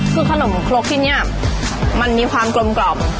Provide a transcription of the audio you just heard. คือขนมครกที่นี่มันมีความกลมกล่อม